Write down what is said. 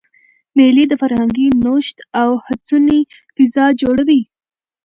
مېلې د فرهنګي نوښت او هڅوني فضا جوړوي.